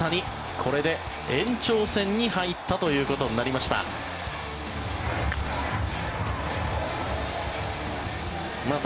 これで延長戦に入ったということになりました。